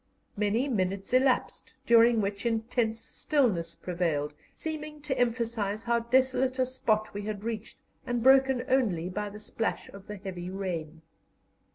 Many minutes elapsed, during which intense stillness prevailed, seeming to emphasize how desolate a spot we had reached, and broken only by the splash of the heavy rain.